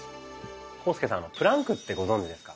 浩介さん「プランク」ってご存じですか？